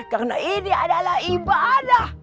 karena ini adalah ibadah